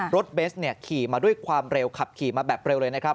เบสขี่มาด้วยความเร็วขับขี่มาแบบเร็วเลยนะครับ